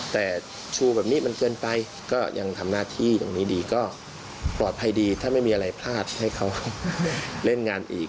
แต่ชูแบบนี้มันเกินไปก็ยังทำหน้าที่อย่างนี้ดีก็ปลอดภัยดีถ้าไม่มีอะไรพลาดให้เขาเล่นงานอีก